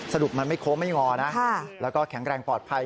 สรุปมันไม่โค้งไม่งอนะแล้วก็แข็งแรงปลอดภัย